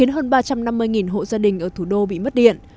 năm mươi hộ gia đình ở thủ đô bị mất điện